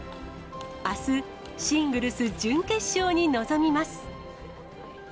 あす、シングルス準決勝に臨みます。